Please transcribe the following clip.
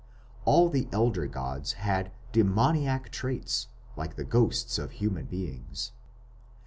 All the elder gods had demoniac traits like the ghosts of human beings.